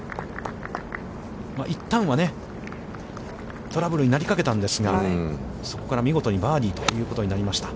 一旦はね、トラブルになりかけたんですが、そこから見事にバーディーということになりました。